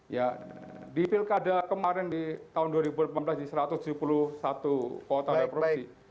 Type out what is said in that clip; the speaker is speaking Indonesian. ya di pilkada kemarin di tahun dua ribu delapan belas di satu ratus tujuh puluh satu kuota reproduksi